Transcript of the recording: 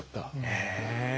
へえ。